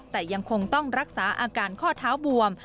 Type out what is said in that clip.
แต่ยังคงต้องรักษาอาการข้อเท้าบวม